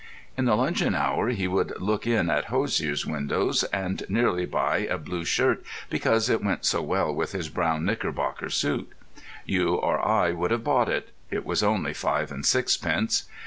In the luncheon hour he would look in at hosiers' windows and nearly buy a blue shirt because it went so well with his brown knickerbocker suit. You or I would have bought it; it was only five and sixpence.